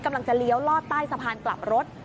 กำลังจะเลี้ยวลอดใต้สะพานกลับรถ